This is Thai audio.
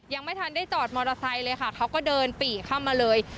ยังไม่ทันได้จอดมอเตอร์ไซค์เลยค่ะเขาก็เดินปี่เข้ามาเลย